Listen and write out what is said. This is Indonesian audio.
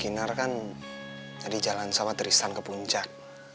kinar kan tadi jalan sama tristan ke puncak